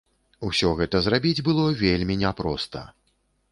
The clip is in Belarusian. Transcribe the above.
Усё гэта зрабіць было вельмі не проста.